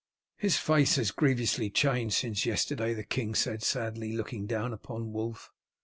"His face has grieviously changed since yesterday," the king said sadly, looking down upon Wulf.